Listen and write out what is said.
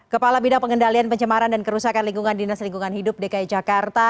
kepala bidang pengendalian pencemaran dan kerusakan lingkungan dinas lingkungan hidup dki jakarta